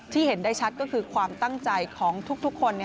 เห็นได้ชัดก็คือความตั้งใจของทุกคน